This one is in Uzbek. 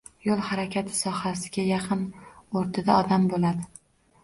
Yoʻl harakati sohasiga yaqin oʻrtada odam boʻladi